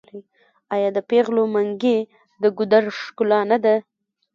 آیا د پیغلو منګي د ګودر ښکلا نه ده؟